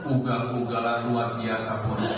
ugala ugala luar biasa